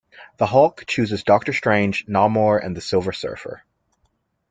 The Hulk chooses Doctor Strange, Namor, and the Silver Surfer.